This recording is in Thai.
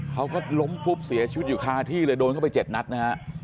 เขาก็ล้มฟุบเสียชีวิตอยู่คาที่เลยโดนเข้าไป๗นัดนะฮะ